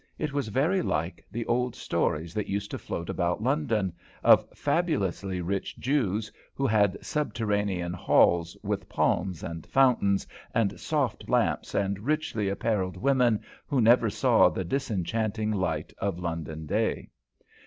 It was very like the old stories that used to float about London of fabulously rich Jews, who had subterranean halls, with palms, and fountains, and soft lamps and richly apparelled women who never saw the disenchanting light of London day.